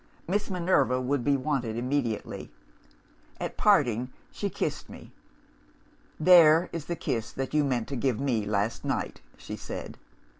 Miss Minerva would be wanted immediately. At parting, she kissed me. 'There is the kiss that you meant to give me last night,' she said.